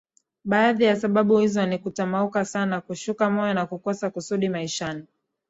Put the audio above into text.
Baadhi ya sababu hizo ni kutamauka sana kushuka moyo na kukosa kusudi maishani